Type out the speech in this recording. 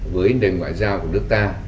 với nền ngoại giao của nước ta